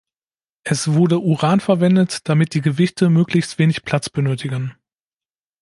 Es wurde Uran verwendet, damit die Gewichte möglichst wenig Platz benötigen.